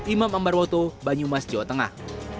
imam ambarwoto banyumas jawa tengah